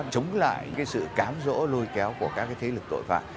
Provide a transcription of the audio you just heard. chống lại cái sự cám dỗ lôi kéo của các cái thế lực tội phạm